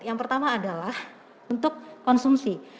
yang pertama adalah untuk konsumsi